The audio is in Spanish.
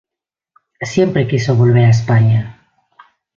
Siempre quiso volver a España.